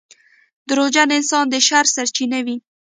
• دروغجن انسان د شر سرچینه وي.